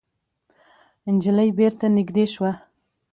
نجلۍ بېرته نږدې شوه.